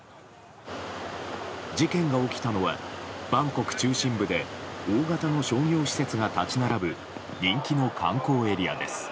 事件が起きたのはバンコク中心部で大型の商業施設が立ち並ぶ人気の観光エリアです。